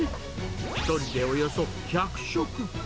１人でおよそ１００食。